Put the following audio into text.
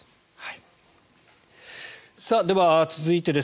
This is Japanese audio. では、続いてです。